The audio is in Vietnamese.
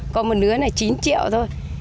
có một lứa là chín triệu thôi